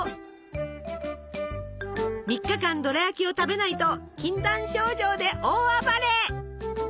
３日間ドラやきを食べないと禁断症状で大暴れ！